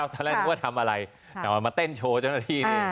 ตอนแรกนึกว่าทำอะไรแต่ว่ามาเต้นโชว์เจ้าหน้าที่นี่